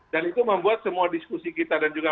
dan itu membuat semua diskusi kita dan juga